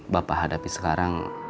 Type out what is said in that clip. bapak hadapi sekarang